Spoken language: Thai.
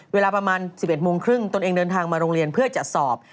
เวลาประมาณ๑๑โมงครึ่งตนเองเดินทางมาโรงเรียนเพื่อจะสอบ